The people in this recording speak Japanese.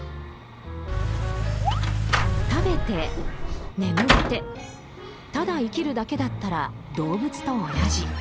食べて眠ってただ生きるだけだったら動物と同じ。